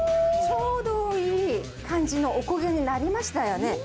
ちょうどいい感じのおこげになりましたよね。